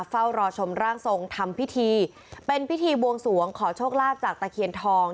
เฝ้ารอชมร่างทรงทำพิธีเป็นพิธีบวงสวงขอโชคลาภจากตะเคียนทอง